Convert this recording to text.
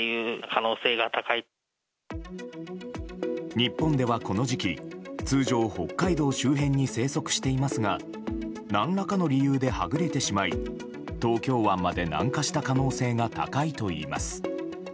日本では、この時期通常、北海道周辺に生息していますが何らかの理由ではぐれてしまい東京湾まで南下した可能性が高いといいます。